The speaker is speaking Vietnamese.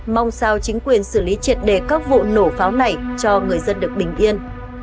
mong sao chính quyền xử lý triệt đề các vụ nổ pháo này cho người dân được bình yên